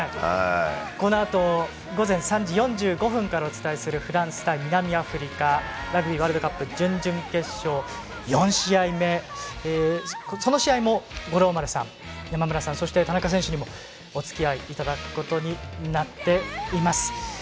このあと午前３時４５分からお伝えするフランス対南アフリカラグビーワールドカップ準々決勝４試合目、その試合も五郎丸さん、山村さんそして田中選手にもおつきあいいただくことになっています。